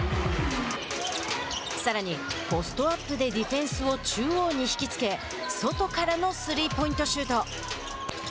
さらに、ポストアップでディフェンスを中央に引きつけ外からのスリーポイントシュート。